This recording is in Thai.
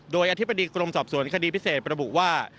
โดยอธิบดีกรมสอบสวนคดีพิเศษระบุว่า